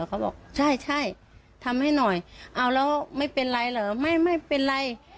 เขาบอกใช่ใช่ทำให้หน่อยเอาแล้วไม่เป็นไรเหรอไม่ไม่เป็นไร